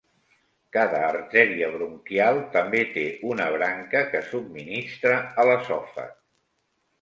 Cada artèria bronquial també té una branca que subministra a l'esòfag.